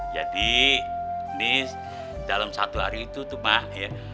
jadi nih dalam satu hari itu tuh mak ya